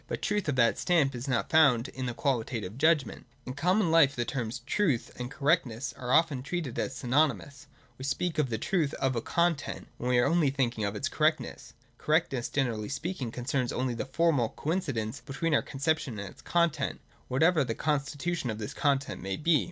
But truth of that stamp is not found in the QuaHtative judgment. In common life the terms truth and correctness are often treated as synonymous : we speak of the truth of a content, when we are only thinking of its correctness. Correctness, generally speaking, concerns only the formal coincidence between our conception and its content, whatever the con stitution of this content may be.